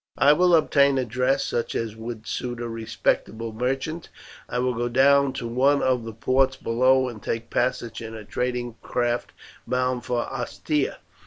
I will obtain a dress such as would suit a respectable merchant; I will go down to one of the ports below and take passage in a trading craft bound for Ostia.